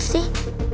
ini siapa sih